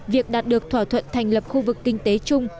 việc đạt được thỏa thuận thành lập khu vực kinh tế chung